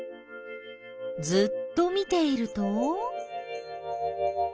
ずっと見ていると？